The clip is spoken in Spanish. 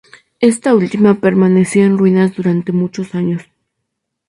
Esta última permaneció en ruinas durante muchos años.